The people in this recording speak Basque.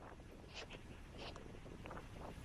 Bigarren zatiaren hasiera zoratzeko modukoa izan zen.